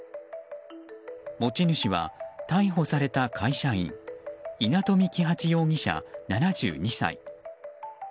持ち主は逮捕された会社員稲富起八容疑者、７２歳。